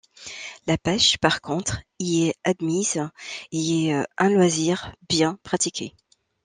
La pêche, par contre, y est admise, et y est un loisir bien pratiqué.